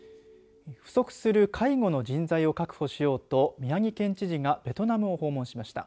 不足する介護の人材を確保しようと宮城県知事がベトナムを訪問しました。